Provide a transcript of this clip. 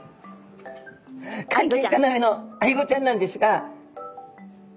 肝心要のアイゴちゃんなんですが。